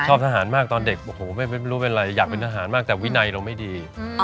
ทหารมากตอนเด็กโอ้โหไม่รู้เป็นไรอยากเป็นทหารมากแต่วินัยเราไม่ดี